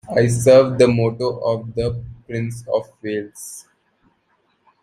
I serve the motto of the Prince of Wales.